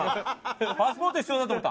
パスポート必要だと思った？